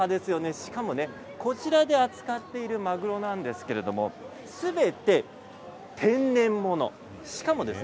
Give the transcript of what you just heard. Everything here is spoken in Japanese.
しかもこちらで扱っているマグロなんですけれどすべて天然物です。